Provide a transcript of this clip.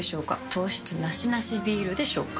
糖質ナシナシビールでしょうか？